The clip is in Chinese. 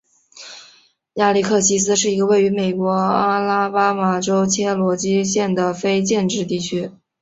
亚历克西斯是一个位于美国阿拉巴马州切罗基县的非建制地区。